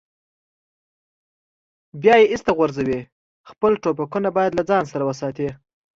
بیا یې ایسته غورځوي، خپل ټوپکونه باید له ځان سره وساتي.